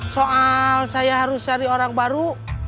soal saya harus cari orang baru